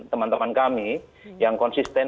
teman teman kami yang konsisten